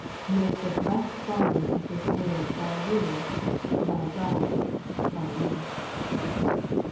Make the blest volume of His word Thy rule, thy guide, thy light.